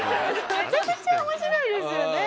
めちゃくちゃ面白いですよね。